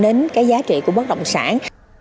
nên cái giá trị của bất động sản